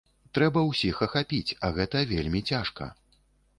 Трэба ўсіх ахапіць, а гэта вельмі цяжка.